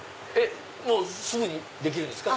もうすぐにできるんですか？